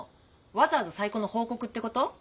わざわざ再婚の報告ってこと？